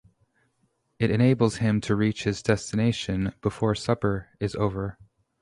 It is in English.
It enables him to reach his destination before supper is over.